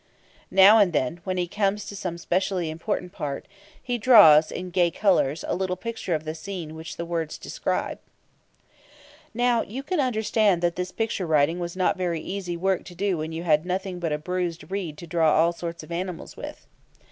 Now and then, when he comes to some specially important part, he draws, in gay colours, a little picture of the scene which the words describe. Now, you can understand that this picture writing was not very easy work to do when you had nothing but a bruised reed to draw all sorts of animals with.